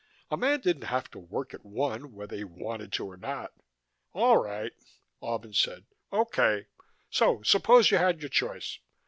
A man didn't have to work at one, whether he wanted to or not." "All right," Albin said. "Okay. So suppose you had your choice.